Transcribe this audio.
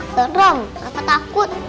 serem aku takut